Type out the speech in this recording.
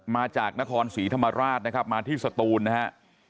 มาจากนครศรีธรรมราชนะครับมาที่สตูนนะฮะ